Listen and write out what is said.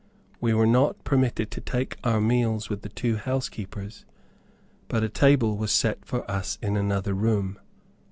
We were not permitted to take our meals with the two housekeepers, but a table was set for us in another room.